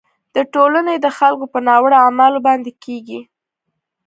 د ټولنې د خلکو په ناوړه اعمالو باندې کیږي.